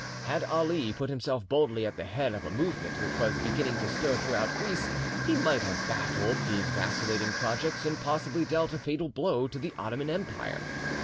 Had Ali put himself boldly at the head of the movement which was beginning to stir throughout Greece, he might have baffled these vacillating projects, and possibly dealt a fatal blow to the Ottoman Empire.